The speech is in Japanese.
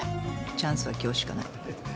チャンスは今日しかない。